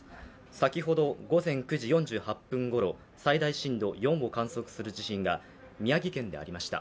先ほど、午前９時４８分ごろ最大震度４を観測する地震が宮城県でありました。